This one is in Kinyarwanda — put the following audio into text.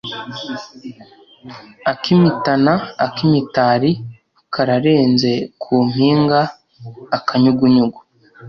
Ak'imitana ak'imitari kararenze ku mpinga-Akanyugunyugu.